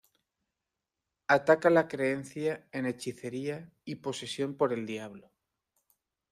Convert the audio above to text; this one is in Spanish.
Ataca la creencia en hechicería y "posesión" por el diablo.